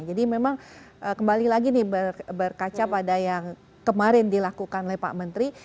jadi memang kembali lagi nih berkaca pada yang kemarin dilakukan oleh pak menteri